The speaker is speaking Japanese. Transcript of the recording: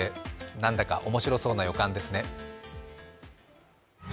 なんだか面白そうな予感ですね。